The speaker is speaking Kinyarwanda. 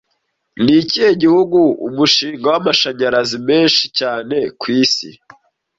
Ni ikihe gihugu umushinga w'amashanyarazi menshi cyane ku isi